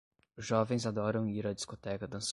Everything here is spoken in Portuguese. Os jovens adoram ir à discoteca dançar no fim de semana.